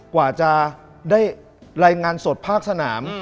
กว่าจะได้รายงานสดภาคสนาม